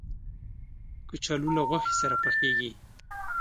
کچالو له غوښې سره پخېږي